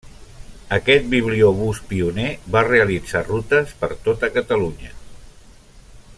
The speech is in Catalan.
Aquest bibliobús pioner va realitzar rutes per tota Catalunya.